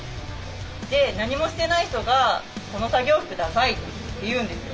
で何もしてない人が「この作業服ダサい」って言うんですよ。